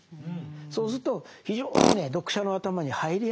そうすると非常にね読者の頭に入りやすいんです。